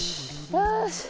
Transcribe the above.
よし。